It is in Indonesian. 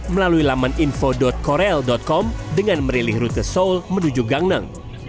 melalui laman info korel com dengan merilih rute seoul menuju gangneng